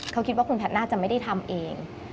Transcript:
เขาคิดว่าคุณแพทย์น่าจะไม่ได้ทำเอง